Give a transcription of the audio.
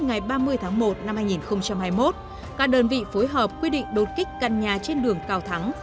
ngày ba mươi tháng một năm hai nghìn hai mươi một các đơn vị phối hợp quy định đột kích căn nhà trên đường cao thắng